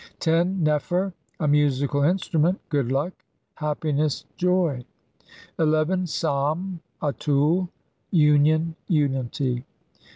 10. T nefcr A musical instrument. Good luck, happi ness, joy. 11. I sam A tool. Union, unity.